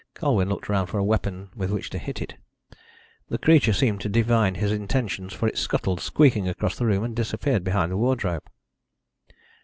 Colwyn looked round for a weapon with which to hit it. The creature seemed to divine his intentions, for it scuttled squeaking across the room, and disappeared behind the wardrobe.